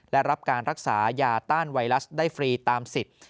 และรับการรักษายาต้านไวรัสได้ฟรีตามสิทธิ์